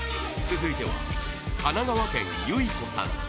続いては神奈川県ゆいこさん